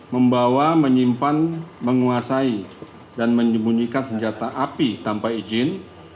membawa menyimpan menguasai dan menyembunyikan senjata api tanpa izin